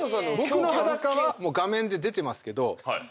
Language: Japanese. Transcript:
僕の裸はもう画面で出てますけど。